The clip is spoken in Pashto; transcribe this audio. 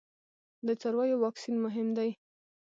د څارویو واکسین مهم دی